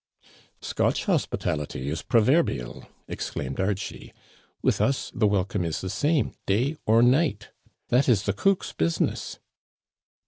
" Scotch hospitality is proverbial," exclaimed Archie. With us the welcome is the same day or night. That is the cook's business."